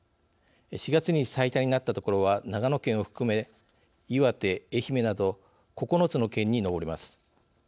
４月に最多になった所は長野県を含め、岩手、愛媛など９つの県に上ります。